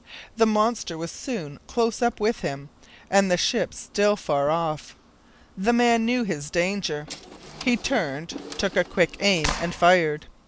The monster was soon close up with him, and the ship still far off. The man knew his danger; he turned, took a quick aim, and fired.